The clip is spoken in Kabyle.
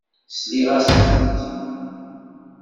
Sliɣ-asent.